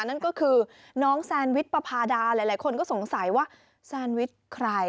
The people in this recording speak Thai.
นั่นก็คือน้องแซนวิชประพาดาหลายคนก็สงสัยว่าแซนวิชใคร